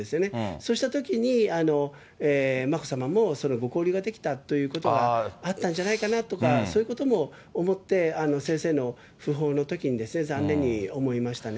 そうしたときに、眞子さまもそういうご交流をできたということがあったんじゃないかなとか、そういうことも思って、先生の訃報のときに残念に思いましたね。